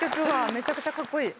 めちゃくちゃかっこいい！